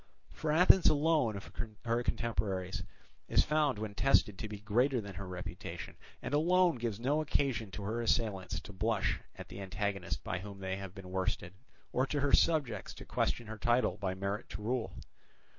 For Athens alone of her contemporaries is found when tested to be greater than her reputation, and alone gives no occasion to her assailants to blush at the antagonist by whom they have been worsted, or to her subjects to question her title by merit to rule.